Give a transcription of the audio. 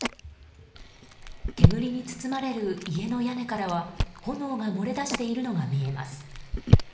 煙に包まれる家の屋根からは炎が漏れ出しているのが見えます。